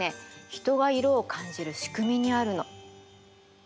人が色を感じる仕組みにあるの。